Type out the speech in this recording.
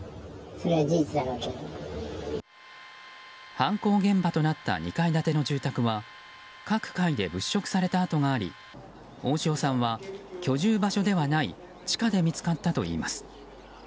犯行現場となった２階建ての住宅は各階で物色された跡があり大塩さんは、居住場所ではない地下で見つかったといいます。